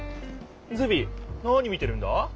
ズビ何見てるんだ？